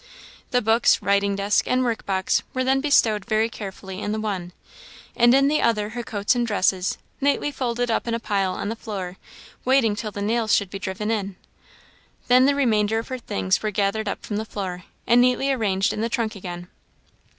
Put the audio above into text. The books, writing desk, and work box were then bestowed very carefully in the one; in the other her coats and dresses, neatly folded up in a pile on the floor, waiting till the nails should be driven. Then the remainder of her things were gathered up from the floor, and neatly arranged in the trunk again.